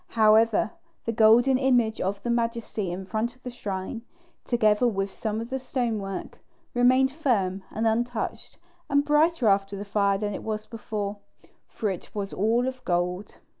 However, the golden image of the Majesty in front of the shrine, together with some of the stonework, remained firm and untouched, and brighter after the fire than it was before, for it was all of gold.